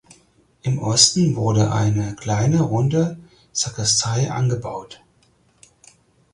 Im Osten wurde eine kleine runde Sakristei angebaut.